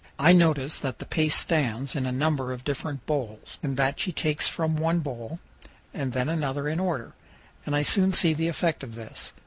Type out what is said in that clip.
I notice that the paste stands in a number of different bowls and that she takes from, one bowl and then another in order, and I soon see the effect of this.